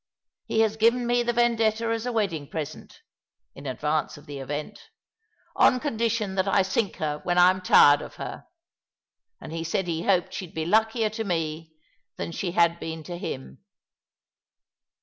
He has given me the Vendetta as a wedding present — in advance of the event— on condition that I sink her when I'm tired of her ; and he said he hoped she'd be luckier to me than she had been to him."